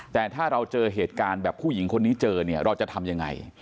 แต่ถ้าเราเจอเหตุการณ์แบบผู้หญิงคนนี้เจอเนี่ยเราจะทำยังไง